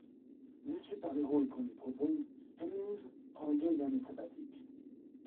Déçu par les rôles qu'on lui propose, Hemmings prend deux années sabbatiques.